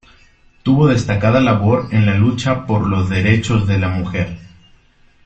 Tuvo destacada labor en la lucha por los derechos de la mujer.